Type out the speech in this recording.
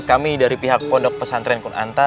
kami dari pihak pondok pesantren kunanta